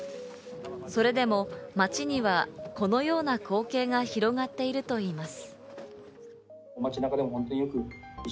それでも街には、このような光景が広がっているといいます。